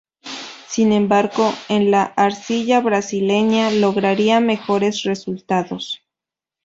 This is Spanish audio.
Sin embargo, en la arcilla brasileña lograría mejores resultados.